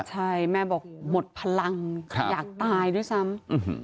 ใช่แม่บอกหมดพลังอยากตายด้วยซ้ำ